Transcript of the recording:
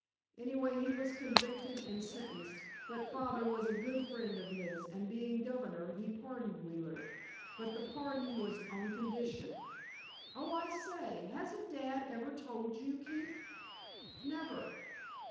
Anyway, he was convicted and sentenced, but father was a good friend of his, and being governor, he pardoned Wheeler. But the pardon was on condition—oh, I say—hasn't dad ever told you, Keefe?" "Never."